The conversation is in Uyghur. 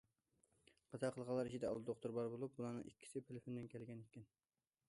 قازا قىلغانلار ئىچىدە ئالتە دوختۇر بار بولۇپ، بۇلارنىڭ ئىككىسى فىلىپپىندىن كەلگەن ئىكەن.